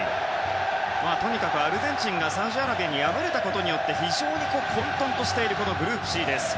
とにかくアルゼンチンがサウジアラビアに敗れたことで非常に混沌としているグループＣです。